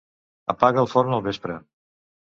Apaga el forn al vespre.